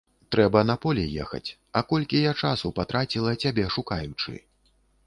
Трэба на поле ехаць, а колькі я часу патраціла, цябе шукаючы.